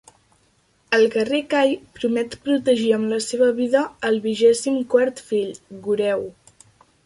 El guerrer Cai promet protegir amb la seva vida al vigèsim-quart fill, Goreu.